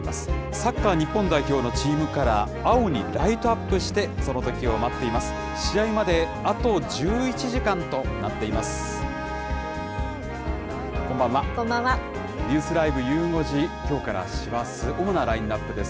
サッカー日本代表のチームカラー、青にライトアップして、その時を待っています。